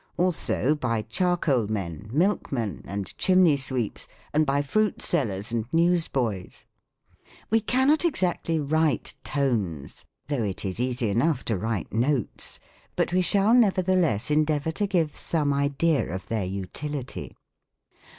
Also by charcoal men, milk men, and chimney, sweeps; and by fruit sellers, and news boys. We cannot exactly write tones (though it is easy enough to wiyte notes,) but we shall nevertheless en deavor to give some idea of their utility.